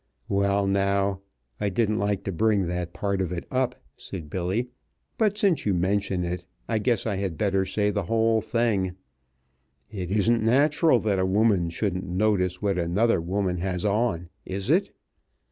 "Well, now, I didn't like to bring that part of it up," said Billy, "but since you mention it, I guess I had better say the whole thing. It isn't natural that a woman shouldn't notice what another woman has on, is it?